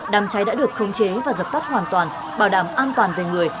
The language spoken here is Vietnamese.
đàm cháy đã được khống chế và dập tắt hoàn toàn bảo đảm an toàn về người